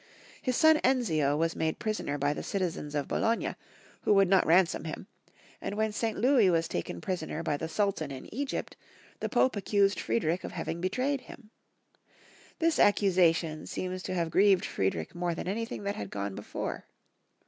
His son Enzio was made prisoner by the citizens of Bologna, who would not ransom him; and when St. Louis was taken 182 Young Folks* History of Germany. prisoner by the Sultan in Egypt, the Pope accused Friedrich of having betrayed him. This accusation seems to have grieved Friedrich more than anything that had gone before.